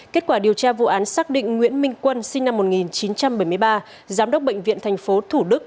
kết quả điều tra vụ án xác định nguyễn minh quân sinh năm một nghìn chín trăm bảy mươi ba giám đốc bệnh viện tp thủ đức